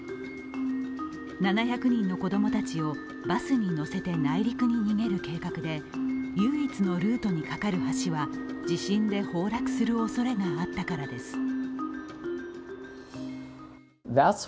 ７００人の子供たちをバスに乗せて内陸に逃げる計画で唯一のルートにかかる橋は、地震で崩落するおそれがあったからです。